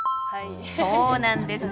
そうなんです。